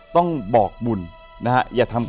ต้องบอกบุญนะครับ